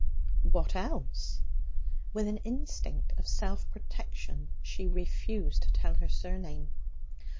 'What else?' With an instinct of self protection she refused to tell her surname.